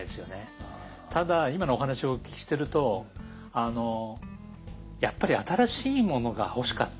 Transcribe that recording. ただ今のお話をお聞きしてるとあのやっぱり新しいものが欲しかった。